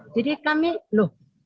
jadi kami loh